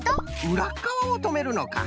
うらっかわをとめるのか。